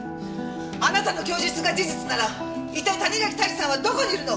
あなたの供述が事実なら一体谷垣泰治さんはどこにいるの？